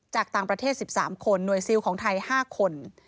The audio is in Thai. จากต่างประเทศ๑๓คนหน่วยซิลของไทย๕คน